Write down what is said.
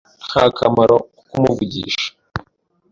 Nta kamaro ko kumuvugisha.